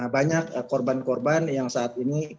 banyak korban korban yang saat ini